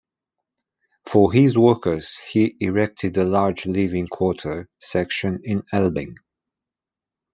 For his workers he erected a large living quarter section in Elbing.